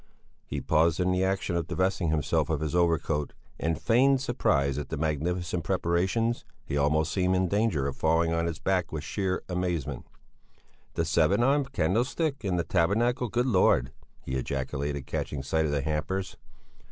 He paused in the action of divesting himself of his overcoat, and feigned surprise at the magnificent preparations; he almost seemed in danger of falling on his back with sheer amazement. "The seven armed candle stick, and the tabernacle! Good Lord!" he ejaculated, catching sight of the hampers.